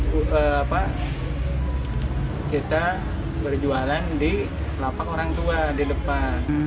kemudian kita berjualan di lapak orang tua di depan